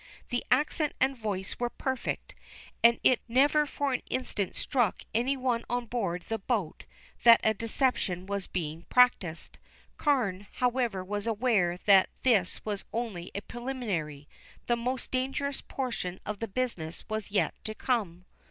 The accent and voice were perfect, and it never for an instant struck any one on board the boat that a deception was being practiced. Carne, however, was aware that this was only a preliminary; the most dangerous portion of the business was yet to come.